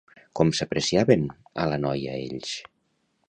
Com apreciaven a la noia ells?